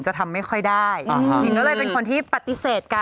จัดจ้านย้อนวิพา